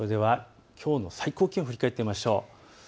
きょうの最高気温を振り返ってみましょう。